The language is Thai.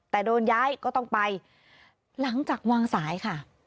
แต่โดนย้ายก็ต้องไปหลังจากวางสายค่ะ